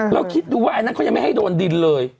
คิดดูว่าอันนั้นเขายังไม่ให้โดนดินเลย